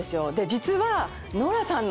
実は。